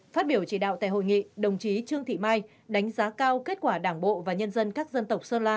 phát biểu chỉ đạo tại hội nghị đồng chí trương thị mai đánh giá cao kết quả đảng bộ và nhân dân các dân tộc sơn la